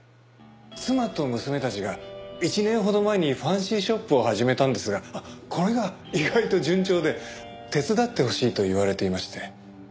妻と娘たちが１年ほど前にファンシーショップを始めたんですがこれが意外と順調で手伝ってほしいと言われていまして。